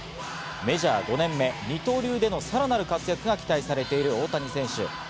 メジャー５年目、二刀流でのさらなる活躍が期待されている大谷選手。